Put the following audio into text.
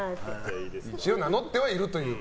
一応、名乗ってはいると。